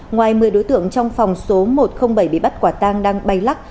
ngoài một mươi đối tượng trong phòng số một trăm linh bảy bị bắt quả tang đang bay lắc